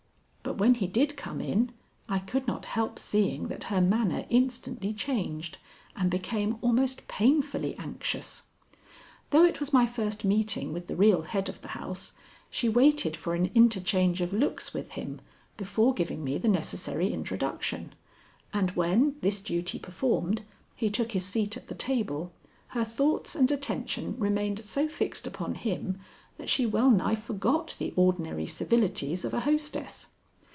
But when he did come in, I could not help seeing that her manner instantly changed and became almost painfully anxious. Though it was my first meeting with the real head of the house, she waited for an interchange of looks with him before giving me the necessary introduction, and when, this duty performed, he took his seat at the table, her thoughts and attention remained so fixed upon him that she well nigh forgot the ordinary civilities of a hostess.